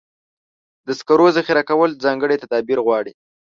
د سکرو ذخیره کول ځانګړي تدابیر غواړي.